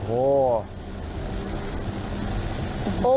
โอ้โห